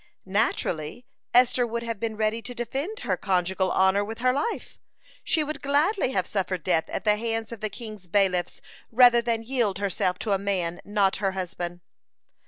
(79) Naturally, Esther would have been ready to defend her conjugal honor with her life. She would gladly have suffered death at the hands of the king's bailiffs rather than yield herself to a man not her husband.